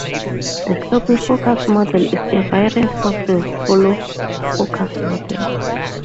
The sloppyfocus model is a variant of the followfocus model.